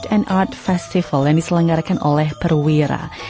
and art festival yang diselenggarakan oleh perwira